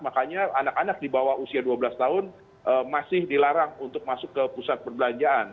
makanya anak anak di bawah usia dua belas tahun masih dilarang untuk masuk ke pusat perbelanjaan